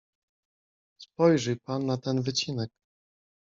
"Spojrzyj pan na ten wycinek."